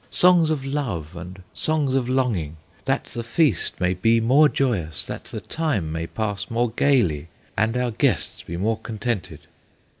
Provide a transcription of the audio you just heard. Songs of love and songs of longing, That the feast may be more joyous, That the time may pass more gayly, And our guests be more contented!"